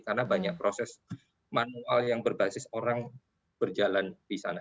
karena banyak proses manual yang berbasis orang berjalan di sana